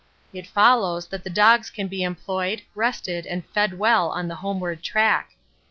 It follows that the dogs can be employed, rested, and fed well on the homeward track.